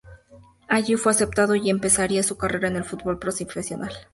Allí, fue aceptado y empezaría su carrera en el fútbol profesional.